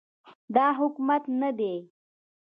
دا حکومت نه دی